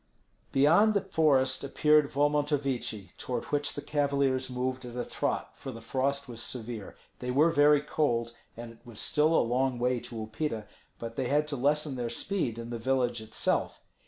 Beyond the forest appeared Volmontovichi, toward which the cavaliers moved at a trot, for the frost was severe; they were very cold, and it was still a long way to Upita, but they had to lessen their speed in the village itself.